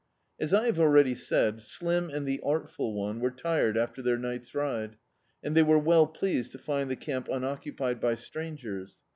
As I have already said. Slim and the artful one were tired after their ni^t's ride, and they were well pleased to find the camp unoccupied by stran gers.